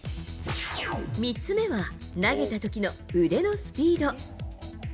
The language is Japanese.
３つ目は、投げたときの腕のスピード。